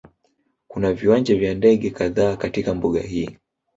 Kuna viwanja vya ndege kadhaa katika mbuga hii